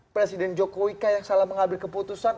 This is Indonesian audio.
presiden jokowi kah yang salah mengambil keputusan